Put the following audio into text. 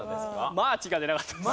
マーチが出なかったんです。